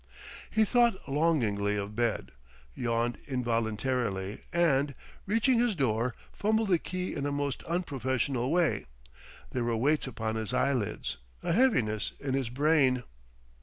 He thought longingly of bed, yawned involuntarily and, reaching his door, fumbled the key in a most unprofessional way; there were weights upon his eyelids, a heaviness in his brain....